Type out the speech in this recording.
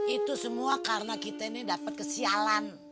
itu semua karena kita ini dapat kesialan